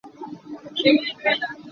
Mifel nih an fel man an co.